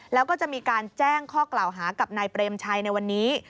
แล้วก็จะมีการแจ้งข้อกล่าวหากับนายเปรมชัยในวันนี้